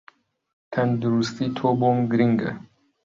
تەندروستی تۆ بۆم گرینگە